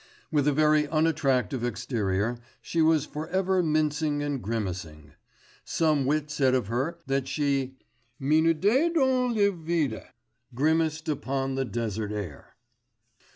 With a very unattractive exterior, she was for ever mincing and grimacing. Some wit said of her that she 'minaudait dans le vide,' 'grimaced upon the desert air.